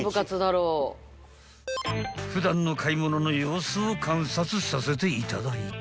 ［普段の買い物の様子を観察させていただいた］